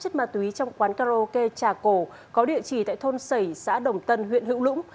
chất ma túy trong quán karaoke trà cổ có địa chỉ tại thôn sẩy xã đồng tân huyện hữu lũng